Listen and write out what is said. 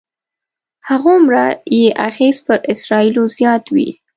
هماغومره یې اغېز پر اسرایلو زیات وي.